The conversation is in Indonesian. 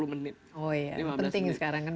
sepuluh menit oh iya lima belas menit penting sekarang kan